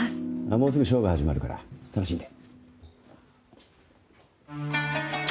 もうすぐショーが始まるから楽しんで。